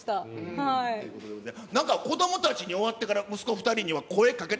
なんか子どもたちに終わってから、息子２人には、声かけた？